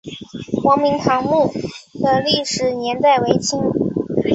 黄明堂墓的历史年代为清。